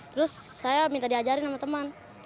terus saya minta diajarin sama teman